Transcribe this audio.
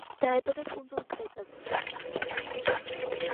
დაიბადა კუნძულ კრეტაზე.